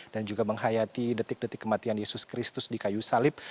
dan juga menghayati detik detik kematian yesus kristus di kayu salib